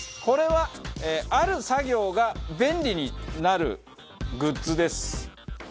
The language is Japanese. これはある作業が便利になるグッズです。